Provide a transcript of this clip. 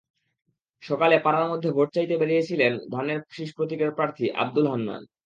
সকালে পাড়ার মধ্যে ভোট চাইতে বেরিয়েছিলেন ধানের শীষ প্রতীকের প্রার্থী আবদুল হান্নান।